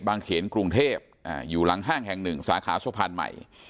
เขนกรุงเทพอยู่หลังห้างแห่งหนึ่งสาขาสะพานใหม่